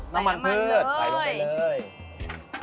น้ำมันพืชใส่ลงไปเลย